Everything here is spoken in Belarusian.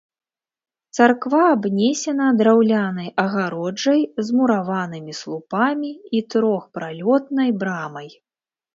Царква абнесена драўлянай агароджай з мураванымі слупамі і трохпралётнай брамай.